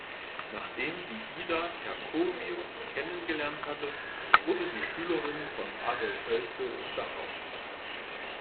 Nachdem sie Ida Kerkovius kennengelernt hatte, wurde sie Schülerin von Adolf Hölzel in Dachau.